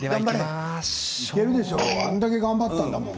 あれだけ頑張ったんだから。